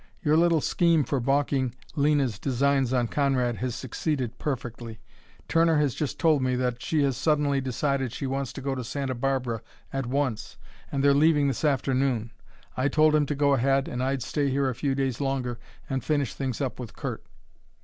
Your little scheme for balking Lena's designs on Conrad has succeeded perfectly. Turner has just told me that she has suddenly decided she wants to go to Santa Barbara at once, and they're leaving this afternoon. I told him to go ahead, and I'd stay here a few days longer and finish things up with Curt."